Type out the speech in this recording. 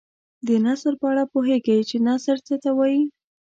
د نثر په اړه پوهیږئ چې نثر څه ته وايي.